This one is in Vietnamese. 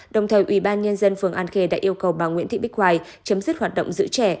đồng thời ubnd phường an khe đã yêu cầu bà nguyễn thị bích hoài chấm dứt hoạt động giữ trẻ